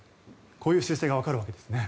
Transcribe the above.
こういう習性がわかるわけですね。